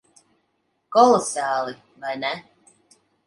Kolosāli. Vai ne?